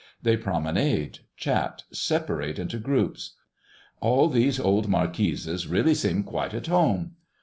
They promenade, chat, separate into groups. All these old marquises really seem quite at home.